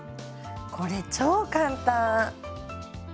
これ超簡単！